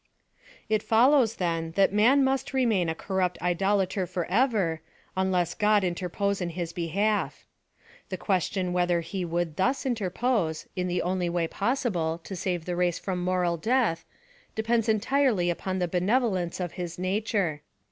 It follows, then, that man must remain a corrupt idolater forever, unless God interpose in his behalf The question whether he would thus interpose, in the only way possible, to save the race from moral death^ depends entirely upon the benevolence of 52 PHILOSOPHY OP THE his nature.